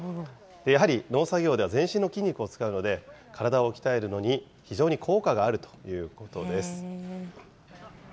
やはり農作業では全身の筋肉を使うので、体を鍛えるのに非常に効果があるということです。